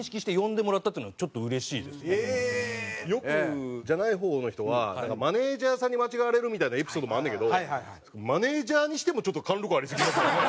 よくじゃない方の人はなんかマネージャーさんに間違われるみたいなエピソードもあんねんけどマネージャーにしてもちょっと貫禄ありすぎますもんね。